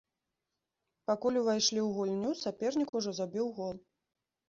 Пакуль увайшлі ў гульню, сапернік ужо забіў гол.